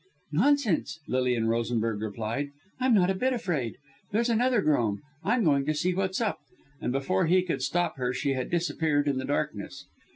"Nonsense!" Lilian Rosenberg replied. "I'm not a bit afraid. There's another groan. I'm going to see what's up," and before he could stop her she had disappeared in the darkness.